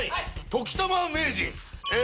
ときたま名人。